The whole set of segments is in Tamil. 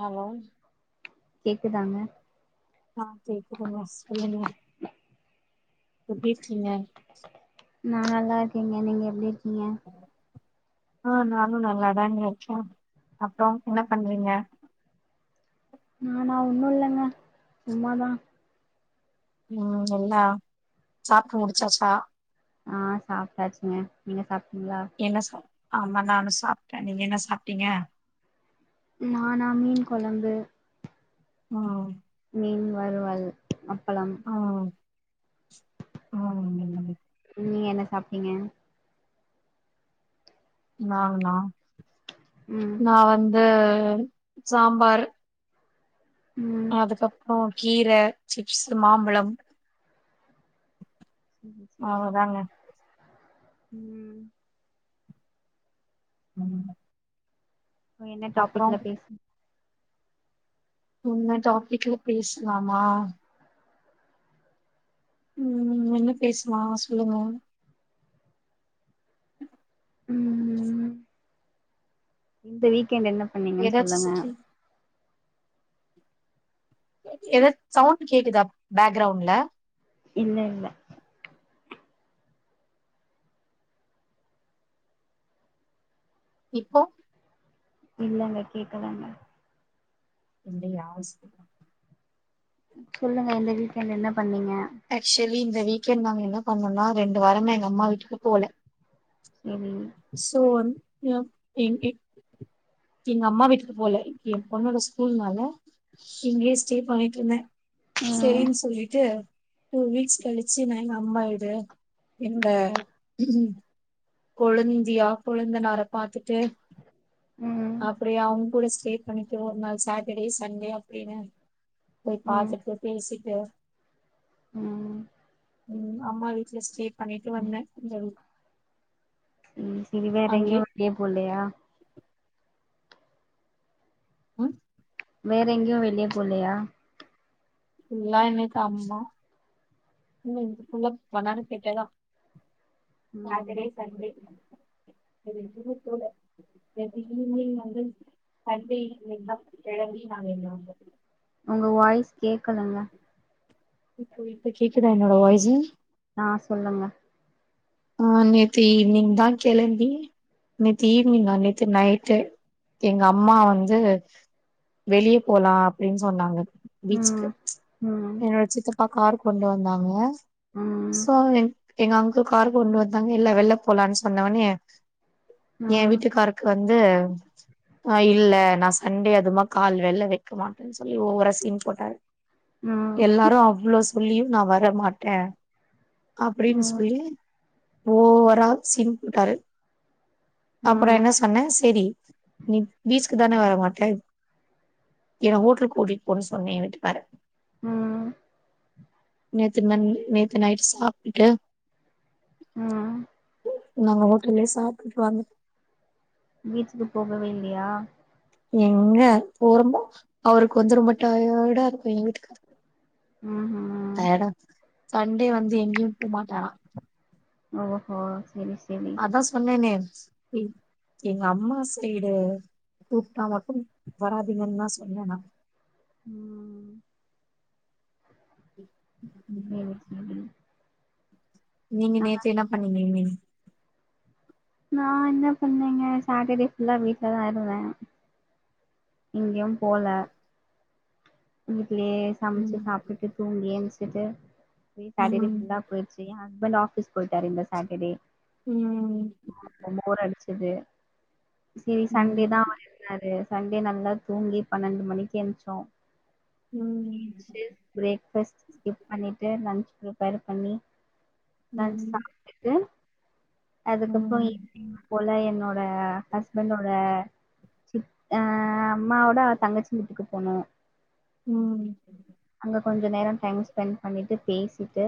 ஹலோ கேக்குதாங்க ஆ கேக்குதுங்க சொல்லுங்க எப்டி இருக்கீங்க நா நல்லா இருக்கேங்க நீங்க எப்டி இருக்கீங்க ஆ நானு நல்லாதாங்க இருக்கு அப்றோ என்ன பண்றீங்க நானா ஒன்னு இல்லங்க சும்மாதா ம் எல்லா சாப்ட்டு முடிச்சாச்சா ஆ சாப்ட்டாச்சுங்க நீங்க சாப்ட்டீங்களா என்னா சொ ஆமா நானு சாப்ட்டே நீங்க என்ன சாப்ட்டீங்க நானாமீன் கொழம்பு ம் மீன் வருவல் அப்பளம் ஆ ஆ நீங்க என்ன சாப்ட்டீங்க நானா ம் நா வந்து சாம்பார் ம் அதுக்கப்றோ கீர சிப்ஸ் மாம்பழம் ம் சரி அவ்ளோதாங்க ம் ம் என்ன அப்றோ டாபிக்ல பேசு என்ன டாப்பிக்ல பேஸ்லாமா ம் என்ன பேசலா சொல்லுங்க உம் ம்ம் இந்த வீக்கெண்ட் என்ன பண்ணீங்கன்னு ஏதாச்சு சொல்லுங்க [unintelligible] ஏதாது சவுண்ட் கேக்குதா பேக்ரவுண்ட்ல இல்ல இல்ல இப்போ இல்லங்க கேக்கலங்க இன்னிக்கு லாஸ்டாம சொல்லுங்க இந்த வீக்கெண்ட் என்ன பண்ணீங்க ஆக்சுவலி இந்த வீக்கெண்ட் நாங்க என்ன பண்ணோம்னா ரெண்டு வாரம எங்க அம்மா வீட்டுக்கு போல உம் சோ வந் எ [unintelligible] எங்க அம்மா வீட்டுக்கு போல எ பொண்ணோட ஸ்கூல்னால இங்கயே ஸ்டே பண்ணிட்டு இருந்தே ம் செரினு சொல்லிட்டு டூ வீக்ஸ் கழிச்சு நா எங்க அம்மா வீடு என்னோட கொழுந்தியா கொழுந்த நார பாத்துட்டு ம் அப்படியே அவங்க கூட ஸ்டே பண்ணிட்டு ஒரு நாள் சாட்டர்டே சண்டே அப்படின்னு போய் பாத்துட்டு பேசிட்டு உம் உம் அம்மா வீட்டு்ல ஸ்டே பண்ணிட்டு வந்தே இந்த தட ம் சரி வேற அங்கே எங்கயும் வேலிய போலையா அ வேற எங்கேயு வெளிய போலையா எல்லா இன்னைக்கு அம்மா இல்ல இன்னிக்கு புள்ளா வண்ணார பேட்டேதா சேட்டடே ம் சண்டே வேர எங்கேயுமே போல நேத்து ஈவினிங் வந்து சண்டே ஈவினிங்தா கெளம்பி நாங்க இங்க வந்தோ உங்க வாய்ஸ் கேட்கலங்க ஓ இப்ப கேக்குதா என்னோட வாய்ஸ்சு ஆ சொல்லுங்க ஆ நேத்து ஈவினிங் தா கெளம்பி நேத்து ஈவினிங்கா நேத்து நைட்டு எங்க அம்மா வந்து வெளியே போலா அப்படின்னு சொன்னாங்க பீச்சுக்கு ம் ம் என்னோட சித்தப்பா கார் கொண்டு வந்தாங்க ம் சோ எங்க அங்கிள் காரு கொண்டு வந்தாங்க எல்ல வெல்ல போலான்னு சொன்னவனே ம் எ ம் வீட்டுக்காருக்கு வந்து ஆ இல்ல நா சண்டே அதுமா கால் வெளியில வெக்க மாட்டேன்னு சொல்லி ஓவரா சீன் போட்டாரு எல்லாரு அவ்ளோ சொல்லியு நா வரமாட்டே அப்படின்னு ம் சொல்லி ஓவரா சீன் போட்டாரு அப்புற ம் என்ன சொ சொன்னே செரி நீ பீச்சுக்கு தானே வரமாட்டே என்ன ஹோட்டலுக்கு கூட்டிட்டு போன்னு சொன்னேன் ஏ வீட்டுக்கார ம் நேத்து ந நேத்து நைட்டு சாப்டுட்டு ஆ நாங்க ஓட்டல்லேயே சாப்பிட்டு வந்து பீச்சுக்கு போகவே இல்லையா எங்க போறமோ அவருக்கு வந்து ரொம்ப டயர்டா இருக்கு எங்க வீட்டுக்காருக்கு ம் ம் டயர்டா சண்டே வந்து எங்கேயு போமாட்டாரா ஓஹோ செரி செரி அதா சொன்னேனே ஸ்ட்ரி எங்க அம்மா சைடு கூப்டா மட்டும் வராதிங்கன் தா சொன்ன நா ம் செரி செரி நீங்க நேத்து என்ன பண்ணிங்க நீங் நா என்ன பண்ணேங்க சாட்டர்டே ஃபுல்லா வீட்லதா இருந்த எங்கயு போல வீட்லயே சம்ச்சுட்டு ம் சாப்புட்டு தூங்கி ஏன்ச்சிட்டு போய் பாதிலே ஃபுல்லா போய்ட்ச் எ ஹஸ்பண்ட் ஆஃபீஸ் போயீட்டாரு இந்த சாட்டர்டே ம் ரொம்ப போர் அடிச்சிது செரி சண்டே தா ம் அவர் இருந்தாரு சண்டே நல்லா தூங்கி பனண்டு மணிக்கு ஏன்ச்சோ ம் ம் ப்ரேக்ஃபஸ்ட் ஸ்கிப் பண்ணிட்டு லன்ச் ப்ரிப்பர் பண்ணி லஞ்ச் ம் சாப்ட்டுட்டு அதுக்கப்றோ ஈவ்னிங் போல என்னோட ஹஸ்பண்டோட சித் ஆ அம்மாவோட தங்கச்சி வீட்டுக்கு போனோ ம் அங்க கொஞ்சோ நேரோ டைம் ஸ்பெண்ட் பண்ணிட்டு பேசிட்டு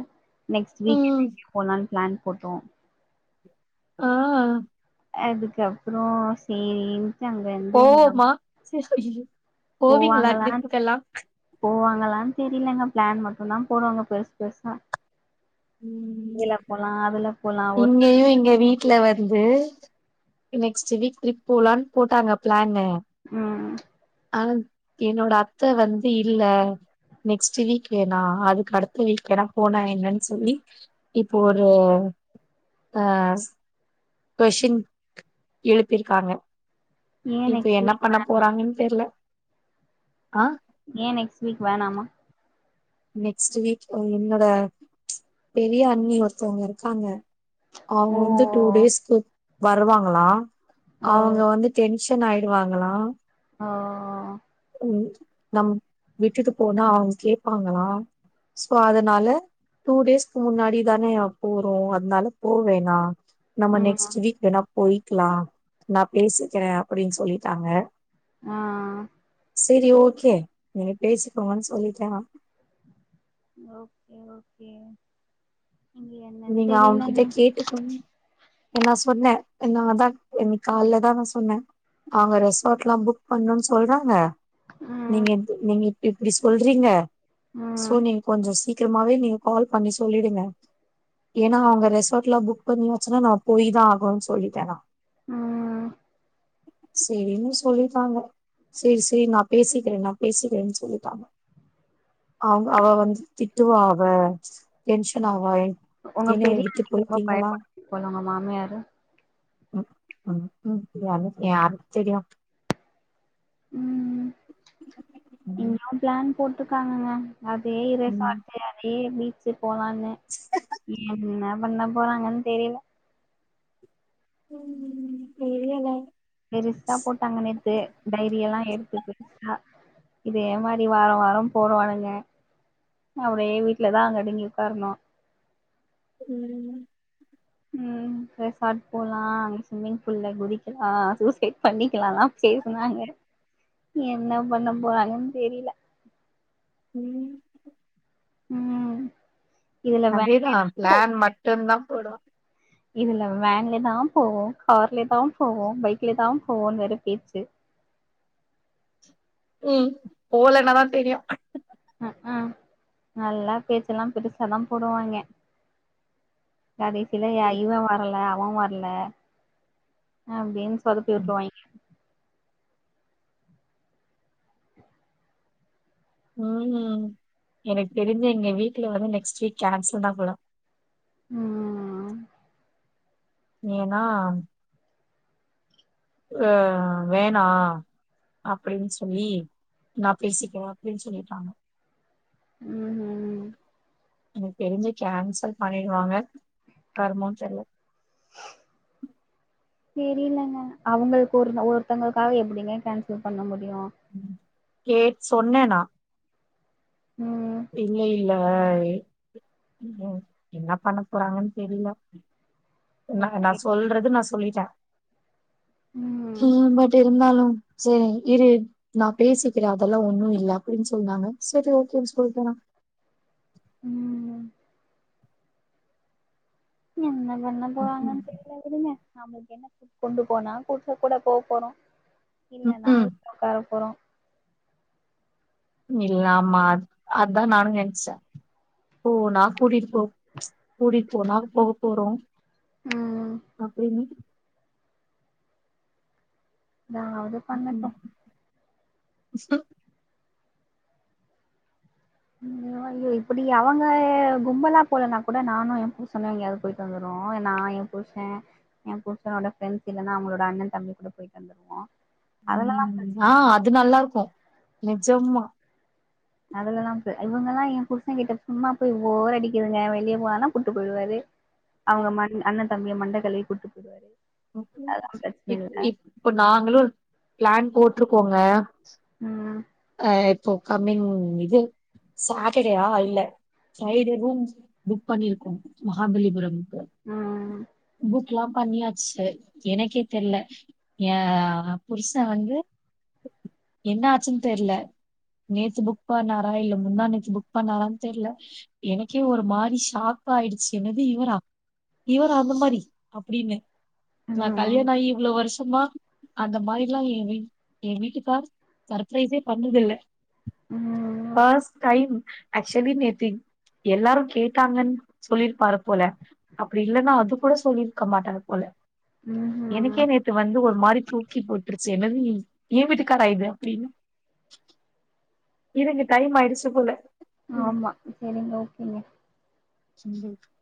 நெக்ஸ்ட் வீக்கென்ட் ம் எங்கே போலான் ப்ளான் போட்டோ ஆ அதுக்கப்றோ சேரின் போவம்மா செர் ஐய்யயோ போவாங்களான் போவாங்காலான் தெரிலங்க ப்ளான் மட்டுதா போடுவாங்க பெருசு பெருசா இதுல போலா அதுல போலா ஒர் நாள் அய்யோ எங்க வீட் ட்ல வந்து நெக்ஸ்ட்டு வீக் ட்ரிப் போலான் போட்டாங்க ப்ளான்னு ம் ஆவ் என்னோட அத்த வந்து இல்ல நெக்ஸ்ட்டு வீக்கு னா அதுக்கு அடுத்த வீக் வேனா போனா என்னன் சொல்லி இப்ப ஒரு ஆ கொஷின் எழுப்பிருக்காங்க ஏ இப்ப நெக்ஸ்ட் என்ன வீக் பண்ண வேணா போறாங்கன் தெர்ல ஆ ஏ நெக்ஸ்ட் வீக் வேணாமா நெக்ஸ்ட்டு வீக் என்னோட பெரிய அண்ணி ஒருத்தவுங்க இருக்காங்க ஓ அவுங்க வந்து டூ டேஸ்க்கு வருவாங்களா ஓ அவுங்க வந்து டென்ஷன் ஆய்டுவாங்களா ஒ ஓ ம் நம் விட்டுட்டு போனா அவ்ங் கேப்பாங்களா சோ அதனால டூ டேஸ்க்கு முன்னாடி தானே போறோ அதனால போவேணா நம்ம ம் நெக்ஸ்ட் வீக் வேணா போய்க்கலா நா பேசிக்கிறே அப்டின் சொல்லிட்டாங்க ஆ செரி ஓக்கே நீங்க பேசிக்கோங்கன் சொல்லிட்டே நா ஓகே ஓகே இங்க என்னன் தெரிலங்க கும் நா சொன்ன என்னாலதான் இன்னிக் கால்லதா நா சொன்ன அங்க ரெசாட்லா புக் பண்ணுன் சொல்றாங்க ம் நீங்க ந்து நீங்க இப்டி சொல்றீங்க ம் சோ நீங்க கொஞ்ச சீக்கிரமாவே நீங்க கால் பண்ணி சொல்லிடுங்க ஏனா அவுங்க ரெசாட்லா புக் பண்ணியாச்சுனா நா போய் தா ஆகுன் சொல்லிட்டே நா ம் செரினு சொல்லிட்டாங்க செரி செரி நா பேசிக்கிறே நா பேசிக்கிறேன் சொல்லிட்டாங்க அவுங்க அவ வந்து திட்டுவா அவ டென்ஷன் ஆவா எ உங்க பெரிய அண்ணிக்கு ரொம்ப பயப்படுவாங்க போல உங்க மாமியாரு ம்க்ம் யாரு யாருக் தெரியு ம் இங்ககயு ப்ளான் போட்ருக்காங்கங்க அதே ம் ரெசாட்டு அதே பீச்சு போலான்னு என்ன பண்ண போறாங்கன் தெரில ம் தெரியல பெருசா போட்டாங்க நேத்து டைரியெல்லா எடுத்து பெருசா இதே மாரி வாரோ வாரோ போடுவானுங்க அப்டியே வீட்லதாங்க அடங்கி உக்காரணு ம் ம் ரெசாட் போலா அங்க ஸ்விம்மிங் ஃபூல்ல குதிக்கலா சூசைட் பண்ணிக்கலாலா பேசுனாங்க என்ன பண்ண போறாங்கன் தெரில ம் ம் இதுல வேன் அதேதா போ ப்ளான் மட்டுந்தா போடுவா இதுல வேன்லதா போவோ கார்லதா போவோ பைக்லதா போவோன் வேற பேச்சு ம் போலனாதா‌ தெரியு அக்அ நல்லா பேச்செல்லா பெருசாதா போடுவாய்ங்க கடைசில ய இவ வரல அவ வர்ல அப்டின் சொதப்பி உட்ருவாய்ங்க ம் ம் எனக்கு தெரிஞ்சே எங்க வீட்ல வந்து நெக்ஸ்ட் வீக் கேன்சல்தா போல ம் ஏனா ஆ வேணா அப்படின் சொல்லி நா பேசிக்றே அப்டின் சொல்லிட்டாங்க ம் ம் எனக் தெரி்ஞ்சி கேன்சல் பண்ணிடுவாங்க கர்மோ தெர்ல தெரிலெங்க அவங்களுக் ஒரு ஒருத்தங்களுக்காக எப்புடிங்க கேன்சல் பண்ண முடியு கேட் சொன்ன நா ம் இல்ல இல்ல எ ம் என்ன பண்ண போறாங்கன் தெரில நா நா ஓகே சொல்றது நா சொல்லிட்டே ம் பட் இருந்தாலு செரி இரு நா பேசிக்கிறே அதெல்லா ஒண்ணு இல்ல அப்படின் சொன்னாங்க சரி ஓகேன் சொல்ட்ட நா ம் என்ன பண்ண ம்ஹும் போறாங்கன் தெரில உடுங்க நம்ளுக்கென்ன கொண்டு போனா புருசன் கூட போ போறோ இல்லன்னா ம்ஹும் கார போறோ இல்ல ஆமா அது அதா நானு நெனச்சே ஓ நா கூட்டிட் போ கூடிட் போனா போக போறோ ம் அப்டின்னு நானு ம் சோ ம் ஐயோ இப்படி அவங்க கும்பலா போகலன்னா கூட நானு எ புருஷன்னு எ எங்கேயாவது போயிட்டு வந்துற்றோ நா எ புர்ச எ புர்சனோட ப்ரெண்ட்ஸ் இல்லனா அவங்களோட அண்ணன் தம்பி கூட போய்ட்டு வந்துருவோ அதுலல்லா ம் ஆ பிரச்சன இல்ல அது நல்லாருக்கு நெஜமா அதுலெல்லா ப இவங்கல்லா எ புருச கிட்ட சும்மாபோய் போர் அடிக்குதுங்க வெளியே போலான்னா கூட்டு போய்ருவாரு அவங்க மண் அண்ணன் தம்பிய மண்ட கழுவி கூட்டு போய்ருவாரு [inaudible] இப் இப் ப்ப நாங்களு பிளான் போட்ருக்கோங்க ம் அ இப்போ கம்மிங் இது சாட்டடேயா இல்ல சைடு ரூம் புக் பண்ணிருக்கோ மகாபலிபுரம்க்கு ம் புக்லா பண்ணியாச்சு எனக்கே தெர்ல்ல ஏ புருச வந்து என்ன ஆச்சுன் தெர்ல நேத்து புக் பண்ணாறா இல்ல முந்தா நேத்து புக் பண்ணாறான் தெர்ல எனக்கே ஒரு மாறி ஷாக் ஆயிடுச்சு என்னது இவரா இவரா அந்த மாரி அப்டின்னு நா கல்யாண ம் ஆகி இவ்ளோ வருஷமா அந்த மாரிலா ஏ வீட் எ வீட்டுக்கார் ப்ரைசே பண்ணதில்ல ம் பஸ்ட் டைம் ஆக்சுலி நேத்தி எல்லாரு கேட்டாங்கன் சொல்லிருப்பாரு போல அப்படி இல்லன்னா அது கூட சொல்லிருக்க மாட்டாரு போல ம் ம் எனக்கே நேத் து வந்து ஒரு மாறி தூக்கி போட்டுருச்சு என்னது ஏ வீட்டுக்காரா இது அப்டின்னு இருங்க டைம் ஆய்டுச்சு போல ஆமா சரிங்க ஓகேங்க [unintelligible]